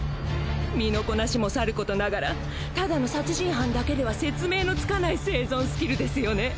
身のこなしもさることながら只の殺人犯だけでは説明のつかない生存スキルですよね！